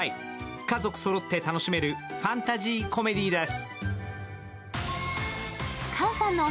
家族そろって楽しめるファンタジーコメディーです。